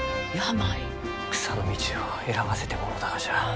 草の道を選ばせてもろうたがじゃ。